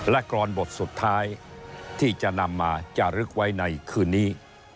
และกรอนบทสุดท้ายที่จะนำมาจะลึกไว้ในคืนนี้